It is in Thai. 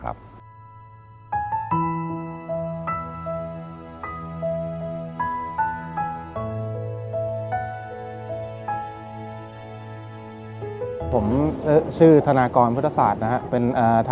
กลับมาสืบสาวเรื่องราวความประทับใจ